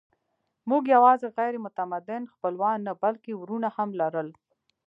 موږ یواځې غیر متمدن خپلوان نه، بلکې وروڼه هم لرل.